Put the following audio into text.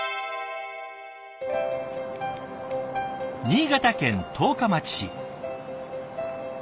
新潟県十日町市。